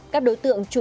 các đối tượng chủ đề